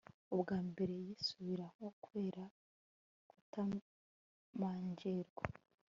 Ubwa mbere yisubiraho kubera kutamanjirwa